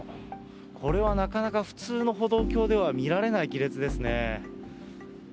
これはなかなか普通の歩道橋では見られない亀裂ですね。